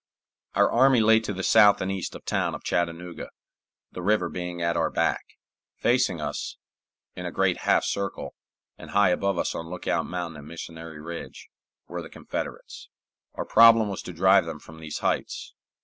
Our army lay to the south and east of the town of Chattanooga, the river being at our back. Facing us, in a great half circle, and high above us on Lookout Mountain and Missionary Ridge, were the Confederates. Our problem was to drive them from these heights.